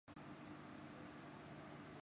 میں سیاست کا ایک طالب علم ہوں۔